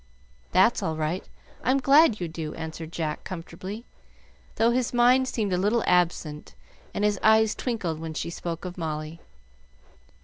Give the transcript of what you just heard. "That's all right, I'm glad you do," answered Jack, comfortably, though his mind seemed a little absent and his eyes twinkled when she spoke of Molly.